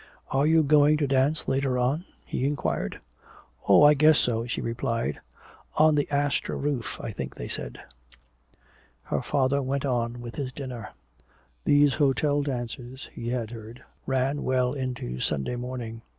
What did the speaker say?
"Are you going to dance later on?" he inquired. "Oh, I guess so," she replied. "On the Astor Roof, I think they said " Her father went on with his dinner. These hotel dances, he had heard, ran well into Sunday morning.